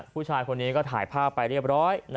ผู้ชายคนนี้ก็ถ่ายภาพไปเรียบร้อย